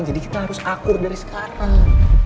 kita harus akur dari sekarang